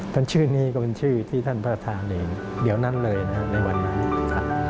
แต่ชื่อนี้ก็เป็นชื่อที่ท่านพระทางเรียนเดี๋ยวนั้นเลยนะฮะในวันนั้น